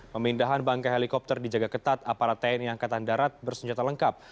pemindahan bangka helikopter dijaga ketat aparat tni angkatan darat bersenjata lengkap